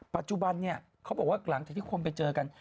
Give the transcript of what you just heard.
ปัจจุบันเนี่ยเขาบอกว่าหลังจากที่คนไปเจอกัน